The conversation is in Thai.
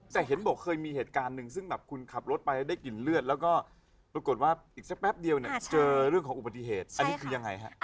แต่เห็นบอกเคยมีเหตุการณ์หนึ่งซึ่งแบบคุณขับรถไปแล้วได้กลิ่นเลือดแล้วก็ปรากฏว่าอีกสักแป๊บเดียวเนี่ยเจอเรื่องของอุบัติเหตุอันนี้คือยังไงฮะ